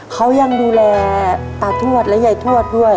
เขายังดูแลตาทวดและยายทวดด้วย